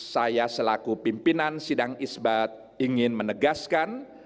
saya selaku pimpinan sidang isbat ingin menegaskan